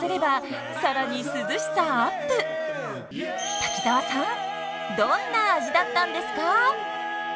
滝沢さんどんな味だったんですか？